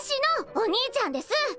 お兄ちゃんです！